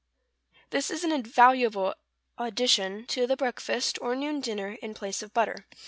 = This is an invaluable addition to the breakfast, or noon dinner, in place of butter.